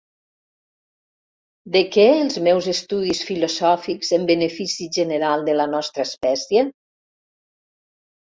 De què els meus estudis filosòfics en benefici general de la nostra espècie?